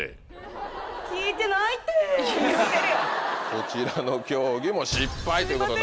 こちらの競技も失敗ということに。